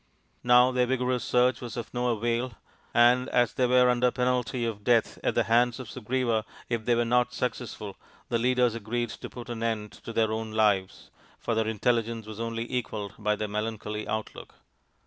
Now their vigorous search was of no avail ; and as they were under penalty of death at the hands of Sugriva if they were not successful, the leaders RAMA'S QUEST 31 agreed to put an end to their own lives, for their intelligence was only equalled by their melancholy outlook.